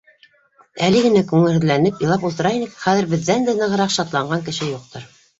Әле генә күңелһеҙләнеп, илап ултыра инек, хәҙер беҙҙән дә нығыраҡ шатланған кеше юҡтыр.